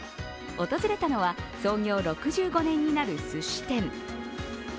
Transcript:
訪れたのは創業６５年になるすし店。